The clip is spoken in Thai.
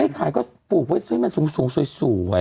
ไม่ขายก็ปลูกไว้ด้วยฉันมันสูงสวยไว้